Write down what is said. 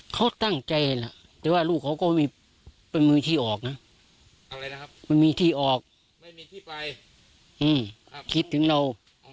เป็นมือที่ออกนะอะไรนะครับไม่มีที่ออกไม่มีที่ไปอื้มครับคิดถึงเรา